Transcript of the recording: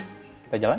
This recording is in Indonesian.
yuk kita jalan